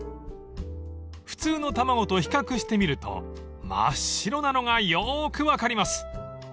［普通の卵と比較してみると真っ白なのがよーく分かります］